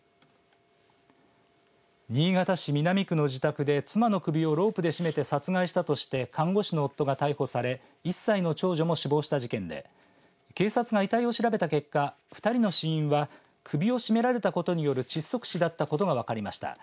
新潟市南区の自宅で妻の首をロープで絞めて殺害したとして看護師の夫が逮捕され１歳の長女も死亡した事件で警察が遺体を調べた結果２人の死因は首を絞められたことによる窒息死だったことが分かりました。